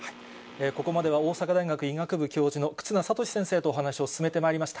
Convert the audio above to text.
ここまでは大阪大学医学部教授の忽那賢志先生とお話を進めてまいりました。